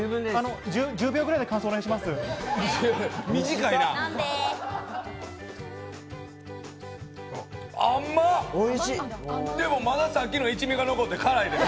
１０秒くらいでお願いします。